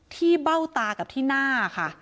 เบ้าตากับที่หน้าค่ะ